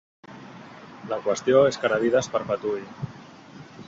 La qüestió és que la vida es perpetuï.